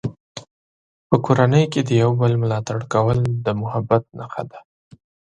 په کورنۍ کې د یو بل ملاتړ کول د محبت نښه ده.